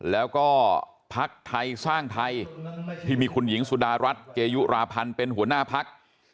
แล้วก็พักไทยสร้างไทยที่มีคุณหญิงสุดารัฐเกยุราพันธ์เป็นหัวหน้าพัก